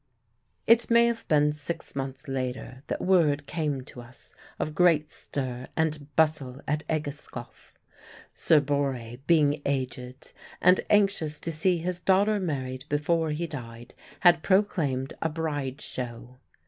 It may have been six months later that word fame to us of great stir and bustle at Egeskov. Sir Borre, being aged, and anxious to see his daughter married before he died, had proclaimed a Bride show.